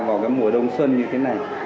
vào mùa đông xuân như thế này